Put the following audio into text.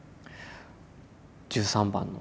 １３番の。